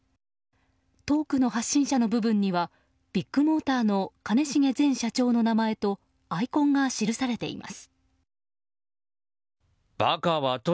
トークの発信者の部分にはビッグモーターの兼重前社長の名前とアイコンが記されています。